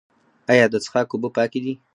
آیا د څښاک اوبه پاکې دي؟